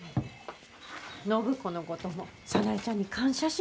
暢子のことも早苗ちゃんに感謝しないと。